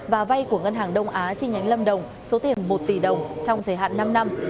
và vay của ngân hàng đông á chi nhánh lâm đồng số tiền một tỷ đồng trong thời hạn năm năm